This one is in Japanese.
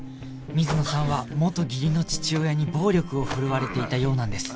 水野さんは元義理の父親に暴力を振るわれていたようなんです